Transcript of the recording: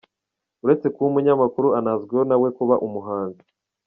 Uretse kuba umunyamakuru anazwiho nawe kuba umuhanzi.